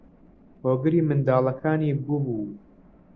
هۆگری منداڵەکانی بووبوو